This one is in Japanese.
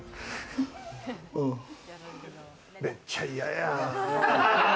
めっちゃ嫌や。